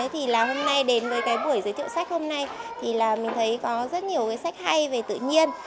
thì là hôm nay đến với cái buổi giới thiệu sách hôm nay thì là mình thấy có rất nhiều cái sách hay về tự nhiên